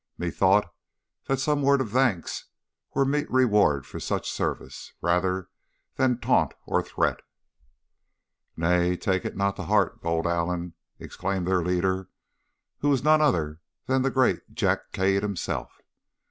Methought that some word of thanks were meet reward for such service, rather than taunt or threat.' "'Nay, take it not to heart, bold Allen,' exclaimed their leader, who was none other than the great Jack Cade himself.